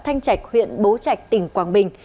thanh trạch huyện bố trạch tỉnh quảng bình